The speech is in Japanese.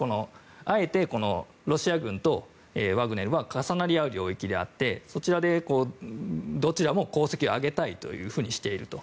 あえてロシア軍とワグネルは重なり合う領域であってどちらも功績を上げたいというふうにしていると。